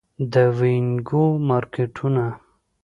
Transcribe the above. د وینګو مارکیټونه